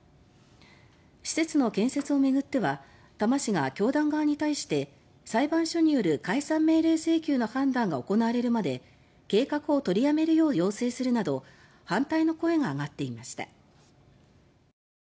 施設の建設を巡っては多摩市が教団側に対して裁判所による解散命令請求の判断が行われるまで計画を取りやめるよう要請するなど反対の声が上がっていました。